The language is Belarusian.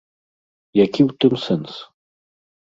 Які ў тым сэнс?